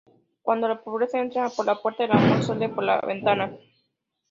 Cuando la pobreza entra por la puerta, el amor sale por la ventana